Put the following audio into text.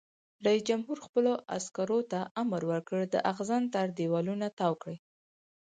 رئیس جمهور خپلو عسکرو ته امر وکړ؛ د اغزن تار دیوالونه تاو کړئ!